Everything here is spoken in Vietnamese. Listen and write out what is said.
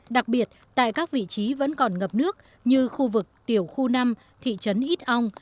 đặc biệt tại các vị trí vẫn còn ngập nước như khu vực tiểu khu năm thị trấn ít ong